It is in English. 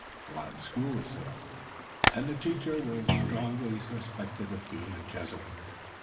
A Latin school was set up, and the teacher was strongly suspected of being a Jesuit.